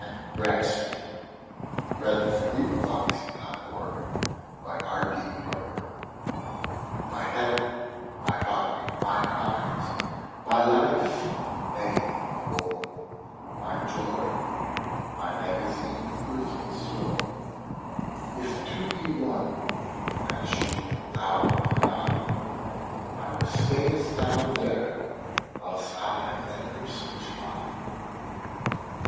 Y Z A Letter to Her Husband Absent upon Public Employment MY head, my heart, mine eyes, my life, nay more, My joy, my magazine, of earthly store, If two be one, as surely thou and I, How stayest thou there, whilst I at Ipswich lie?